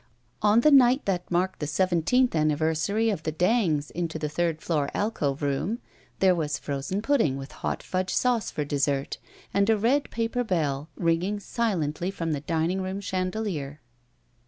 On the night that marked the seventeenth anni versary of the Dangs into the third floor alcove room there was frozen pudding with hot fudge sauce for dessert, and a red paper bell ringing silently from the dining room chandelier.